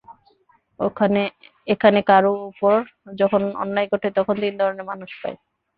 এখানে কারও ওপর যখন অন্যায় ঘটে, তখন তিন ধরনের মানুষ পাই।